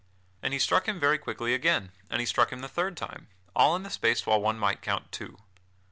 And he struck him very quickly again, and he struck him the third time, all in the space whilst one might count two.